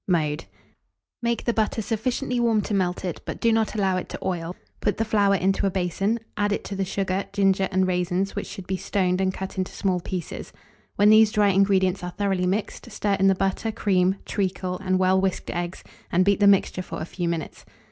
Mode. Make the butter sufficiently warm to melt it, but do not allow it to oil; put the flour into a basin; add to it the sugar, ginger, and raisins, which should be stoned and cut into small pieces. When these dry ingredients are thoroughly mixed, stir in the butter, cream, treacle, and well whisked eggs, and beat the mixture for a few minutes.